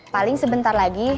paling sebentar lagi